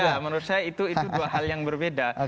iya menurut saya itu itu dua hal yang berbeda